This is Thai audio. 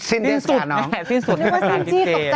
สิ้นสุดสิ้นสุด